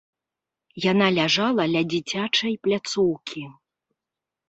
Яна ляжала ля дзіцячай пляцоўкі.